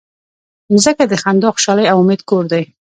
مځکه د خندا، خوشحالۍ او امید کور دی.